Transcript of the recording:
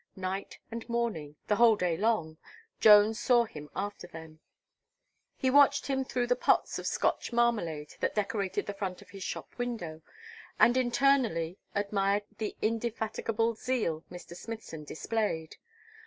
Night and morning, the whole day long, Jones saw him after them; he watched him through the pots of Scotch marmelade that decorated the front of his shop window, and internally admired the indefatigable zeal Mr. Smithson displayed.